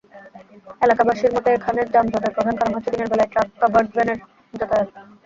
এলাকাবাসীর মতে, এখানে যানজটের প্রধান কারণ হচ্ছে দিনের বেলায় ট্রাক-কাভার্ড ভ্যানের যাতায়াত।